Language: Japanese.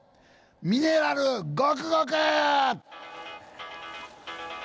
ミネラル、ごくごく！